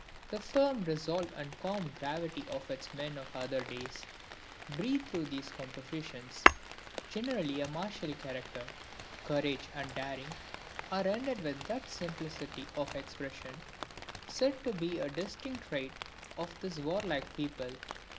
The firm resolve and calm gravity of its men of other days, breathe through these compositions. Generally of a martial character, courage and daring are rendered with that simplicity of expression, said to be a distinctive trait of this warlike people.